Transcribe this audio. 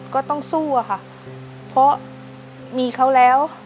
ก็ต้องสู้อะค่ะเพราะมีเขาแล้ว